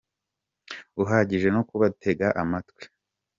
uhagije no kubatega amatwi.